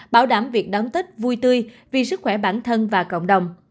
bảo đảm việc đón tết vui tươi vì sức khỏe bản thân và cộng đồng